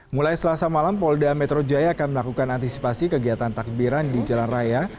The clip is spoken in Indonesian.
mulai selasa malam polda metro jaya akan melakukan antisipasi kegiatan takbiran di jalan raya